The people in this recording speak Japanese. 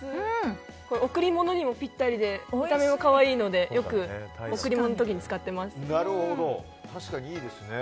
贈り物にもぴったりで見た目も可愛いのでよく贈り物の時に使ってます。